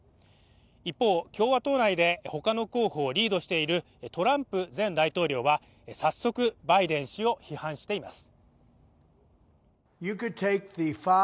一方、共和党内で他の候補をリードしているトランプ前大統領は早速バイデン氏を批判しています。